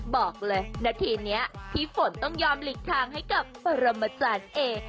บอกเลยนาทีนี้พี่ฝนต้องยอมหลีกทางให้กับปรมจารย์เอ